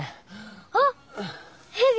あっヘビ。